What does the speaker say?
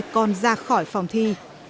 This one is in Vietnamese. con ra khỏi phòng thi